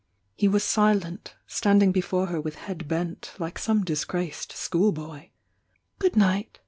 He was silent, standing before her with head bent, like some disgraced school boy. "Good night!"